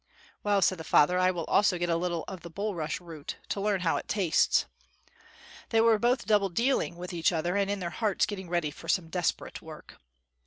"Well," said the father, "I will also get a little of the bulrush root, to learn how it tastes." They were both double dealing with each other, and in their hearts getting ready for some desperate work.